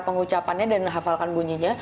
pengucapannya dan hafalkan bunyinya